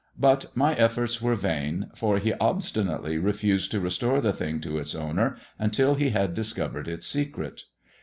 But my efforts were vain, for he obstinately refused to restore the thing to its owner until he had discovered its secret.